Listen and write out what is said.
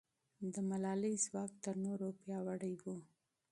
د ملالۍ ځواک تر نورو پیاوړی و.